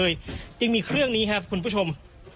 จึงมีเครื่องนี้ครับคุณผู้ชม